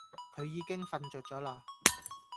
佢已經瞓著咗喇